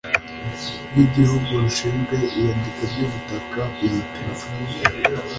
rw igihugu rushinzwe iyandika ry ubutaka ibipimo